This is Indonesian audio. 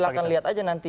silahkan lihat aja nanti